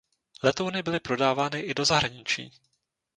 Letouny byly prodávány i do zahraničí.